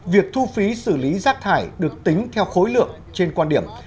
việc thu phí xử lý rác thải được tính theo khối lượng trên quan điểm